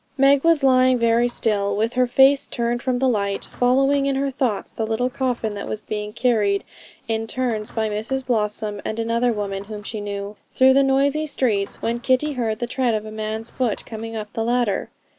Meg was lying very still, with her face turned from the light, following in her thoughts the little coffin that was being carried in turns by Mrs Blossom and another woman whom she knew, through the noisy streets, when Kitty heard the tread of a man's foot coming up the ladder.